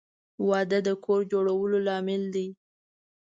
• واده د کور جوړولو لامل دی.